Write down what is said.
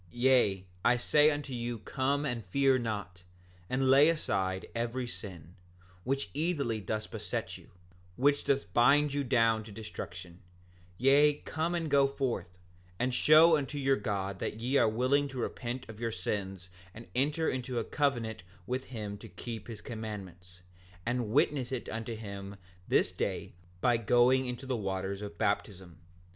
7:15 Yea, I say unto you come and fear not, and lay aside every sin, which easily doth beset you, which doth bind you down to destruction, yea, come and go forth, and show unto your God that ye are willing to repent of your sins and enter into a covenant with him to keep his commandments, and witness it unto him this day by going into the waters of baptism.